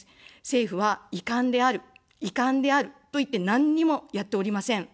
政府は遺憾である、遺憾であると言って、なんにもやっておりません。